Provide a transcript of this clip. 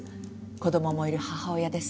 子供もいる母親です。